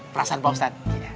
perasaan pak ustadz